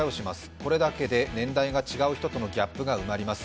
これだけで年代が違う人とのギャップが埋まります。